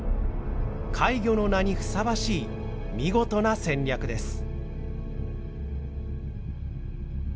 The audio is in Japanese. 怪魚の名にふさわしい見事な戦略です。